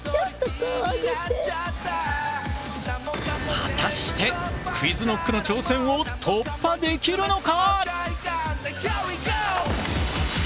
果たしてＱｕｉｚＫｎｏｃｋの挑戦を突破できるのか！？